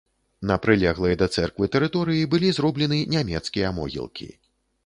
На прылеглай да цэрквы тэрыторыі былі зроблены нямецкія могілкі.